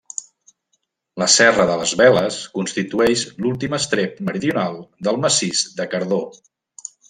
La serra de les Veles constitueix l'últim estrep meridional del Massís de Cardó.